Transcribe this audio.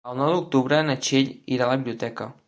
El nou d'octubre na Txell irà a la biblioteca.